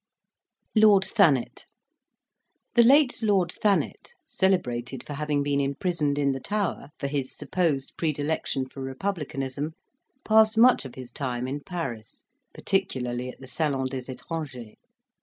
LORD THANET The late Lord Thanet, celebrated for having been imprisoned in the Tower for his supposed predilection for republicanism, passed much of his time in Paris, particularly at the Salon des Etrangers.